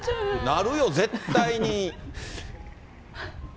なるよ、絶対に。